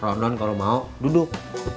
rondon kalau mau duduk